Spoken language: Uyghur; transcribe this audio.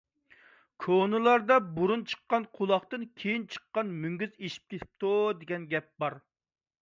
كونىلاردا: «بۇرۇن چىققان قۇلاقتىن، كېيىن چىققان مۈڭگۈز ئېشىپ كېتىپتۇ» دېگەن گەپ بار.